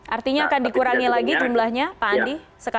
artinya akan dikurangi lagi jumlahnya pak andi